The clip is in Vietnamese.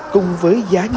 cùng với giá trị lợn hơi